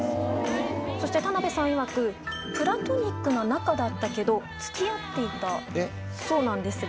そして田辺さんいわく、プラトニックな仲だったけど、つきあっていたそうなんですが。